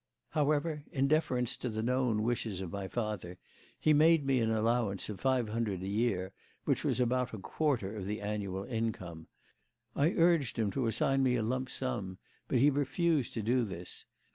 However, in deference to the known wishes of my father, he made me an allowance of five hundred a year, which was about a quarter of the annual income, I urged him to assign me a lump sum, but he refused to do this.